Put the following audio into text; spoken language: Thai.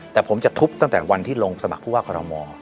แต่ผมจะทุบตั้งแต่วันที่ลงสมัครผู้ว่ากรทม